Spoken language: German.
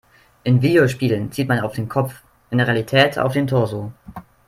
In Videospielen zielt man auf den Kopf, in der Realität auf den Torso.